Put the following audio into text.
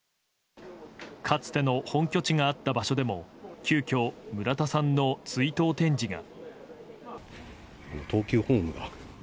かつての本拠地があった場所でも急きょ、村田さんの追悼展示が。